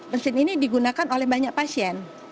mesin ini digunakan oleh banyak pasien